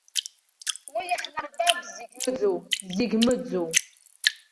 Уи иаҳнарбап зегь ыӡу, зегь мыӡу.